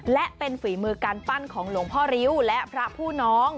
และเป็นฝีมือการปั้นของหลวงพ่อริ้วและพระผู้น้อง